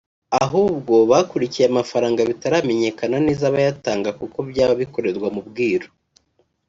ahubwo bakurikiye amafaranga bitaramenyekana neza abayatanga kuko byaba bikorerwa mu bwiru